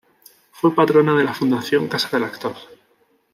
Fue patrona de la Fundación Casa del Actor.